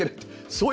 そう。